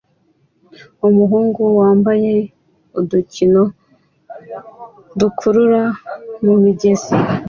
umuhungu wambaye udukino dutukura mumigezi